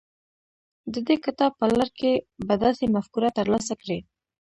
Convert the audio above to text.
د دې کتاب په لړ کې به داسې مفکوره ترلاسه کړئ.